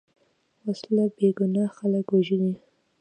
وسله بېګناه خلک وژلي